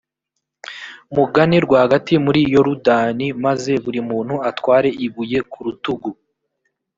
mugane rwagati muri yorudani, maze buri muntu atware ibuye ku rutugu.